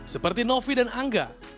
seperti novi dan angga